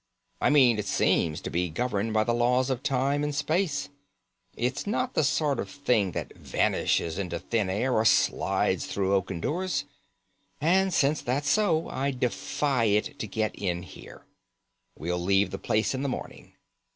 I mean it seems to be governed by the laws of time and space. It's not the sort of thing that vanishes into thin air or slides through oaken doors. And since that's so, I defy it to get in here. We'll leave the place in the morning.